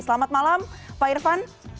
selamat malam pak irfan